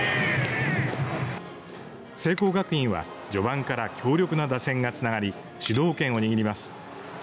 聖光学院は序盤から強力な打線がつながり主導権を握ります。